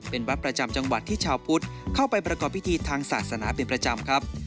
เป็นวัดประจำจังหวัดที่ชาวพุทธเข้าไปประกอบพิธีทางศาสนาเป็นประจำครับ